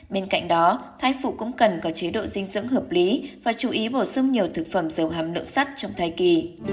bên cạnh đó thai phụ cũng cần có chế độ dinh dưỡng hợp lý và chú ý bổ sung nhiều thực phẩm dầu hàm lượng sắt trong thai kỳ